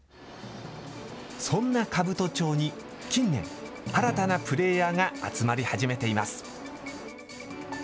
そんな兜町に近年、新たなプレーヤーが集まり始めています。